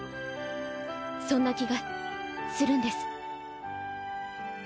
そんな気がするんです。